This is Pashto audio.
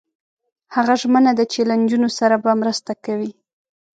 هغه ژمنه ده چې له نجونو سره به مرسته کوي.